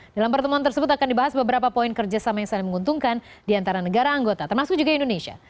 dalam pertemuan tersebut akan dibahas beberapa poin kerjasama yang saling menguntungkan di antara negara anggota termasuk juga indonesia